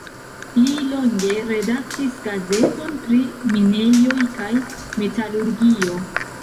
Li longe redaktis gazeton pri minejoj kaj metalurgio.